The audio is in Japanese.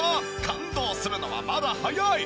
感動するのはまだ早い！